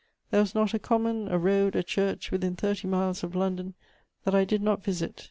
There was not a common, a road, a church, within thirty miles of London, that I did not visit.